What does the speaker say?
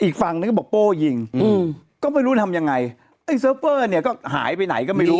อีกฝั่งนึงก็บอกโป้ยิงอืมก็ไม่รู้ทำยังไงไอ้เซิร์ฟเฟอร์เนี่ยก็หายไปไหนก็ไม่รู้